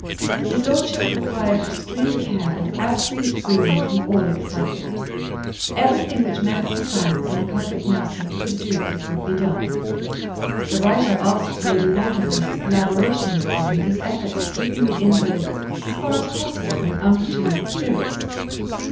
His lordship required extreme care and absolute freedom from all excitement. Everything which medical science and perfect nursing could do would be done. The writer asked Lady Walderhurst's collaboration with him in his efforts at keeping the invalid as far as possible in unperturbed spirits.